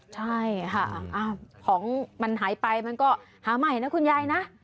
ใช่ค่ะของมันหายไปมันก็หาใหม่นะคุณยายนะ